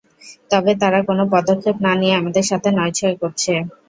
তবে তারা কোনো পদক্ষেপ না নিয়ে আমাদের সাথে নয়-ছয় করছে।